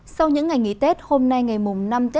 sau những ngày nghỉ tết hôm nay ngày năm